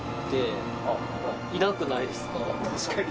確かに。